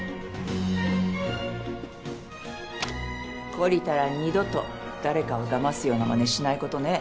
懲りたら二度と誰かをだますようなまねしないことね。